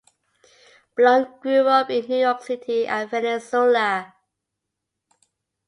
Blum grew up in New York City and Venezuela.